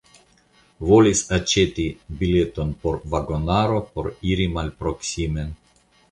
Volis aĉeti bileton por vagonaro por iri malproksimen.